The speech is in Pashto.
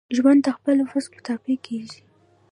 ژوند دخپل وس مطابق کیږي.